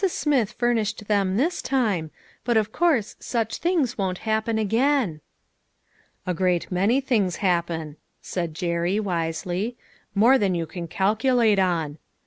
Smith furnished them this time, but of course such things won't happen again." "A great many things happen," said Jerry, wisely. " More than you can calculate on.